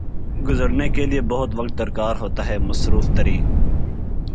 گزرنے کیلیے بہت وقت درکار ہوتا ہے۔ مصروف ترین